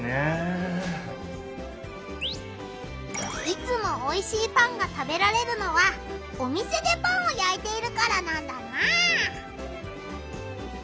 いつもおいしいパンが食べられるのはお店でパンをやいているからなんだな！